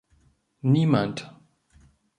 Niemand.